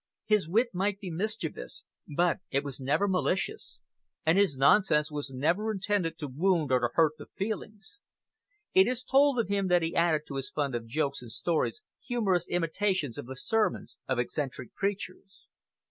His wit might be mischievous, but it was never malicious, and his nonsense was never intended to wound or to hurt the feelings. It is told of him that he added to his fund of jokes and stories humorous imitations of the sermons of eccentric preachers.